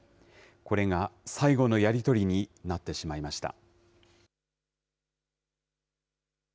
これが最後のやり取りになってしまいました。